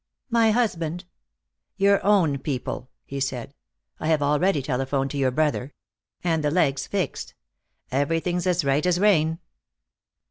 "My husband?" "Your own people," he said. "I have already telephoned to your brother. And the leg's fixed. Everything's as right as rain."